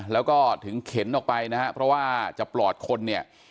แล้วก็ถึงเข็นออกไปนะฮะเพราะว่าจะปลอดคนเนี่ย